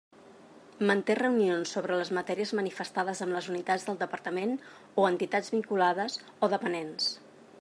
Manté reunions sobre les matèries manifestades amb les unitats del Departament o entitats vinculades o dependents.